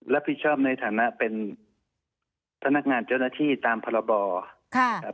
รับผิดชอบในฐานะเป็นพนักงานเจ้าหน้าที่ตามพรบค่ะ